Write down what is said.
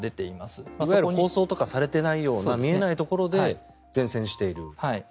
いわゆる放送とかされていないような見えないところで善戦している。